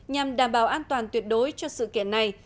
nhằm đảm bảo an toàn tuyệt đối cho sự kiện này